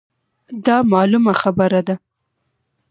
دا مـعـلومـه خـبـره ده.